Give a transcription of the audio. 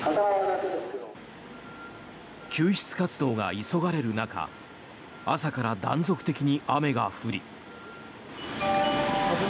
救出活動が急がれる中朝から断続的に雨が降り。